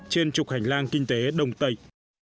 trên trục hành lang kinh tế đông tây